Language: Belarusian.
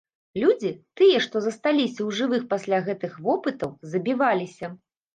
Людзі, тыя, што засталіся ў жывых пасля гэтых вопытаў, забіваліся.